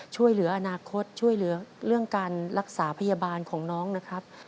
ช่วยเหลืออนาคตช่วยเหลือเรื่องการรักษาพยาบาลของน้องนะครับ